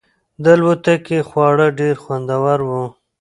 د الوتکې خواړه ډېر خوندور وو.